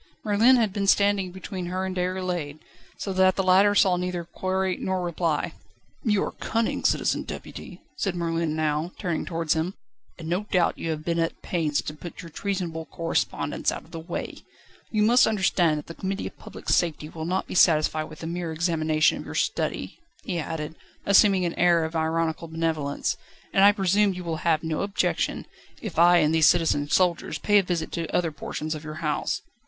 Merlin had been standing between her and Déroulède, so that the latter saw neither query nor reply. "You are cunning, Citizen Deputy," said Merlin now, turning towards him, "and no doubt you have been at pains to put your treasonable correspondence out of the way. You must understand that the Committee of Public Safety will not be satisfied with a mere examination of your study," he added, assuming an air of ironical benevolence, "and I presume you will have no objection, if I and these citizen soldiers pay a visit to other portions of your house."